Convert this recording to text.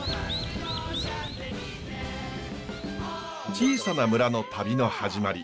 小さな村の旅の始まり。